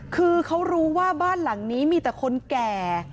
คือเขารู้ว่าบ้านหลังนี้มีแต่คนแก่